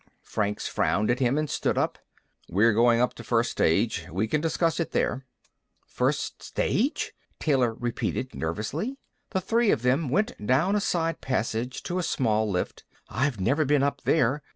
Franks frowned at him and stood up. "We're going up to first stage. We can discuss it there." "First stage?" Taylor repeated nervously. The three of them went down a side passage to a small lift. "I've never been up there.